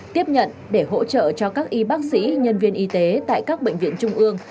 tiếp nhận để hỗ trợ cho các y bác sĩ nhân viên y tế tại các bệnh viện trung ương